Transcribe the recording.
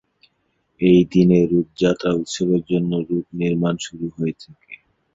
এই দিনে রথযাত্রা উৎসবের জন্য রথ নির্মাণ শুরু হয়ে থাকে।